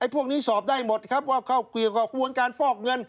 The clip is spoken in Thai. พวกนี้สอบได้หมดครับว่าเข้าเกี่ยวกับกระบวนการฟอกเงิน